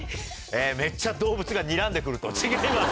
「めっちゃ動物が睨んでくる」と違います。